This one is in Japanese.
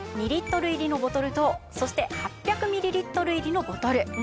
２リットル入りのボトルとそして８００ミリリットル入りのボトル。